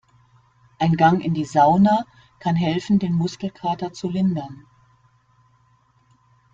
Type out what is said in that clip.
Ein Gang in die Sauna kann helfen, den Muskelkater zu lindern.